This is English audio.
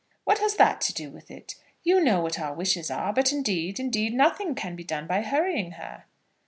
"What has that to do with it? You know what our wishes are; but, indeed, indeed, nothing can be done by hurrying her."